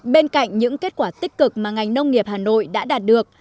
bên cạnh những kết quả tích cực mà ngành nông nghiệp hà nội đã đạt được